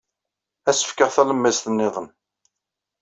Ad as-fkeɣ talemmiẓt niḍen.